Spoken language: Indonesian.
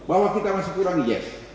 bahwa kita masih kurangi yes